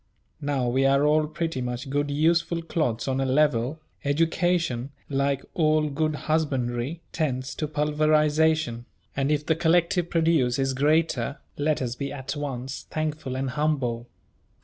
Now we are all pretty much good useful clods on a level: education, like all good husbandry, tends to pulverisation; and if the collective produce is greater, let us be at once thankful and humble.